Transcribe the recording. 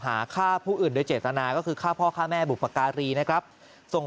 หาฆ่าผู้อื่นโดยเจตนาก็คือฆ่าพ่อฆ่าแม่บุปการีนะครับส่ง